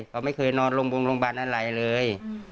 เขาไม่เคยนอนโรงพยาบาลอะไรเลย